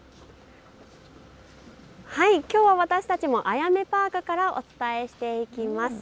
きょう私たちもあやめパークからお伝えしていきます。